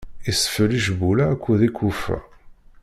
Isfel icbula akked iqweffa.